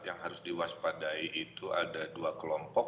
yang harus diwaspadai itu ada dua kelompok